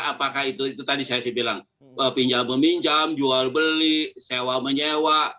apakah itu itu tadi saya bilang pinjal meminjam jual beli sewa menyewa